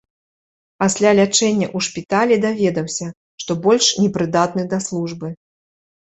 Пасля лячэння ў шпіталі даведаўся, што больш не прыдатны да службы.